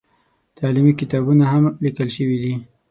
تعلیمي کتابونه هم لیکل شوي دي.